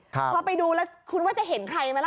ถ้าไปดูแล้วคุณก็ไม่จะเห็นใครไหมละ